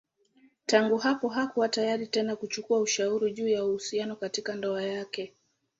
Tangu hapa hakuwa tayari tena kuchukua ushauri juu ya uhusiano katika ndoa yake.